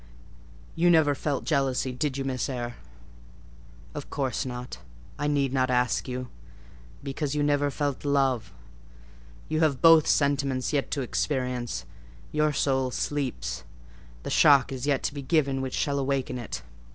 "You never felt jealousy, did you, Miss Eyre? Of course not: I need not ask you; because you never felt love. You have both sentiments yet to experience: your soul sleeps; the shock is yet to be given which shall waken it.